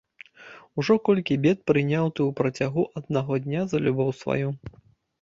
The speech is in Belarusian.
Ужо колькі бед прыняў ты ў працягу аднаго дня за любоў сваю.